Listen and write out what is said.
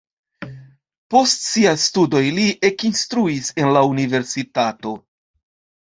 Post siaj studoj li ekinstruis en la universitato.